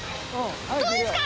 どうですか？